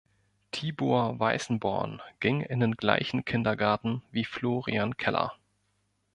Tibor Weißenborn ging in den gleichen Kindergarten wie Florian Keller.